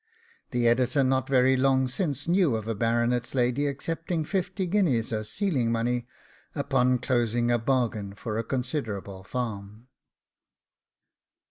The Editor not very long since knew of a baronet's lady accepting fifty guineas as sealing money, upon closing a bargain for a considerable farm.